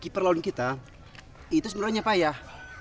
keeper lawan kita itu sebenarnya payah